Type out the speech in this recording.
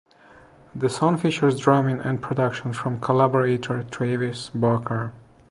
The song features drumming and production from collaborator Travis Barker.